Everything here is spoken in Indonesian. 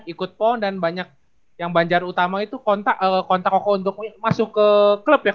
ikut pon dan banyak yang banjar utama itu kontak oko untuk masuk ke klub ya